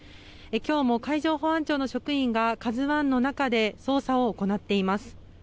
今日も海上保安庁の職員が「ＫＡＺＵ１」の中で捜査を行っています。